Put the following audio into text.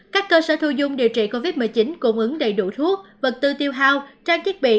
các cơ sở thu dung điều trị covid một mươi chín cung ứng đầy đủ thuốc vật tư tiêu hao trang thiết bị